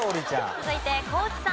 続いて地さん。